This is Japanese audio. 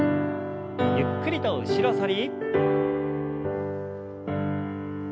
ゆっくりと後ろ反り。